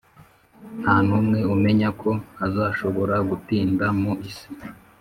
Ntanumwe umenya ko azashobora gutinda mu isi